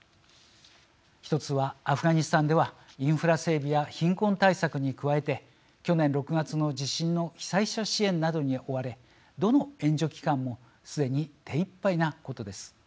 １つは、アフガニスタンではインフラ整備や貧困対策に加えて去年６月の地震の被災者支援などに追われどの援助機関もすでに手いっぱいなことです。